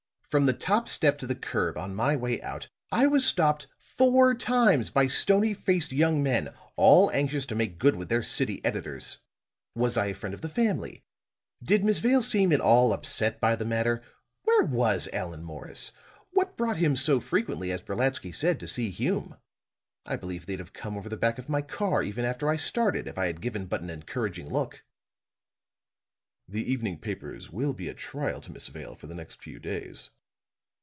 From the top step to the curb, on my way out, I was stopped four times by stony faced young men all anxious to make good with their city editors. 'Was I a friend of the family? Did Miss Vale seem at all upset by the matter? Where was Allan Morris? What brought him so frequently, as Brolatsky said, to see Hume?' I believe they'd have come over the back of my car even after I started, if I had given but an encouraging look." "The evening papers will be a trial to Miss Vale for the next few days."